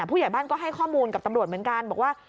ผู้ใหญ่บ้านก็ให้ข้อมูลกับตำรวจเหมือนกันบอกว่า